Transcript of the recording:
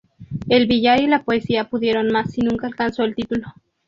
El billar y la poesía pudieron más y nunca alcanzó el título.